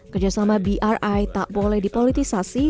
kerjasama bri tak boleh dipolitisasi